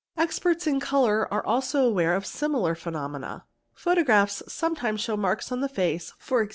ixperts in colours are also aware of similar phenomena. Photo ws hs sometimes show marks on the face, e.g.